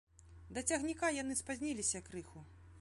Да цягніка яны спазніліся крыху.